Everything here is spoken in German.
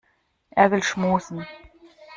Er will schmusen.